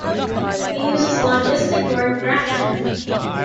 It uses logistic regression.